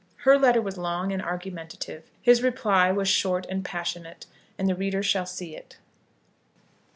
Her letter was long and argumentative. His reply was short and passionate; and the reader shall see it.